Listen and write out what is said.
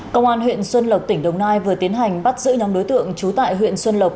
công an huyện xuân lộc tỉnh đồng nai vừa tiến hành bắt giữ nhóm đối tượng trú tại huyện xuân lộc